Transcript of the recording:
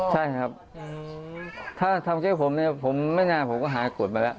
ใช่ครับถ้าทำใจผมเนี่ยผมไม่นานผมก็หากฎมาแล้ว